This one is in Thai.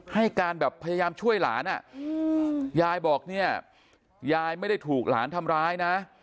ให้การแบบพยายามช่วยหลานอ่ะยายบอกเนี่ยยายไม่ได้ถูกหลานทำร้ายนะ